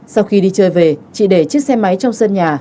sau khi đi chơi về chị để chiếc xe máy trong sân nhà